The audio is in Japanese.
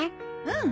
うん。